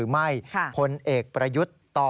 ไม่มีคำสั่ง